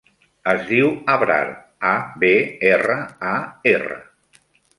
Es diu Abrar: a, be, erra, a, erra.